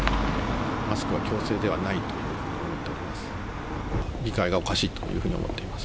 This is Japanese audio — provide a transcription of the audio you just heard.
マスクは強制ではないというふうに思っております。